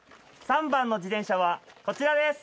３番の自転車はこちらです。